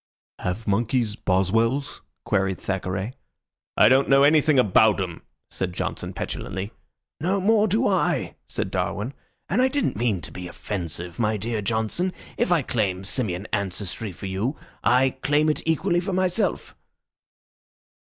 "Have monkeys Boswells?" queried Thackeray. "I don't know anything about 'em," said Johnson, petulantly. "No more do I," said Darwin, "and I didn't mean to be offensive, my dear Johnson. If I claim Simian ancestry for you, I claim it equally for myself."